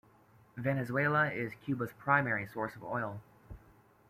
Venezuela is Cuba's primary source of oil.